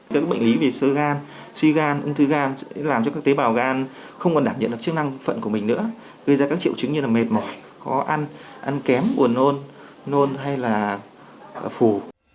các bệnh lý về sơ gan suy gan ung thư gan sẽ làm cho các tế bào gan không còn đảm nhận được chức năng phận của mình nữa gây ra các triệu chứng như là mệt mỏi khó ăn ăn kém buồn nôn nôn hay là phù